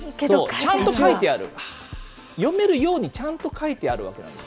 ちゃんと書いてある、読めるようにちゃんと書いてあるわけなんです。